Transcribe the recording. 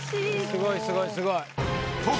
すごいすごいすごい。